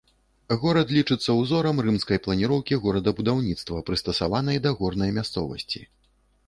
Горад лічыцца ўзорам рымскай планіроўкі горадабудаўніцтва, прыстасаванай да горнай мясцовасці.